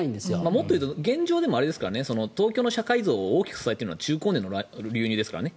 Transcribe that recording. もっと言うと現状でも東京の社会像を大きく支えているのは中高年の流入ですからね。